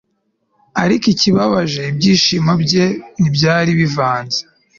ariko ikibabaje! ibyishimo bye ntibyari bivanze